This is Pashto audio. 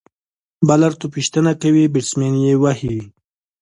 بالر توپ ویشتنه کوي، بیټسمېن يې وهي.